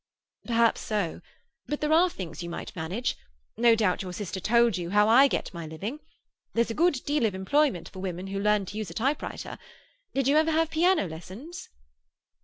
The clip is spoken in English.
"Perhaps so. But there are things you might manage. No doubt your sister told you how I get my living. There's a good deal of employment for women who learn to use a typewriter. Did you ever have piano lessons?"